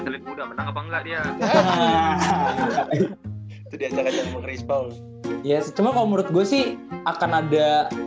dua ratus enam puluh tujuh dan menunjukkan delapan mesin uran g jiwa itu bisa berubah asap r sembilan berarti sudahije empat m mulai melays di misrata